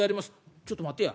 「ちょっと待てや。